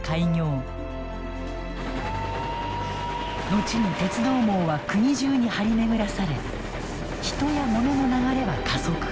後に鉄道網は国中に張り巡らされ人やモノの流れは加速。